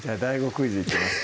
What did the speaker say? クイズいきますか